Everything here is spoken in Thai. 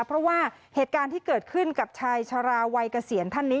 เพราะว่าเหตุการณ์ที่เกิดขึ้นกับชายชะลาวัยเกษียณท่านนี้